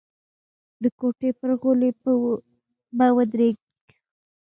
د کوټې پر غولي به ورغړېد.